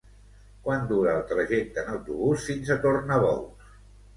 Quant dura el trajecte en autobús fins a Tornabous?